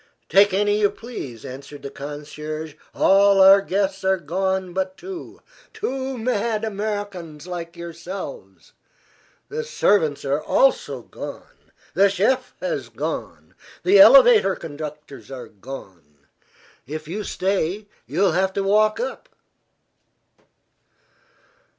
"Take any you please," answered the concierge. "All our guests are gone but two two mad Americans like yourselves. The servants are also gone; the chef has gone; the elevator conductors are gone. If you stay you'll have to walk up."